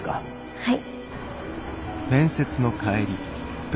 はい。